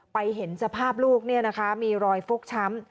ไปเห็นสภาพลูกเนี่ยนะคะมีรอยฟุกช้ำ